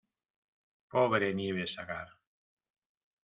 ¡ pobre Nieves Agar